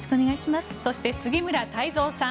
そして、杉村太蔵さん